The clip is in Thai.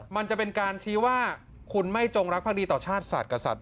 มันจะเป็นการชี้ว่าคุณไม่จงรักภักดีต่อชาติศาสตร์กับสัตว